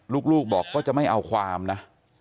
ลูกบอกก็จะไม่เอาความนะ